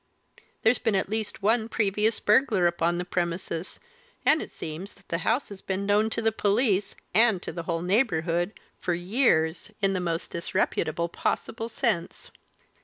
There's been at least one previous burglar upon the premises, and it seems that the house has been known to the police and to the whole neighbourhood for years, in the most disreputable possible sense."